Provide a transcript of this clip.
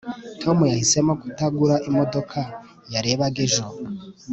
tom yahisemo kutagura imodoka yarebaga ejo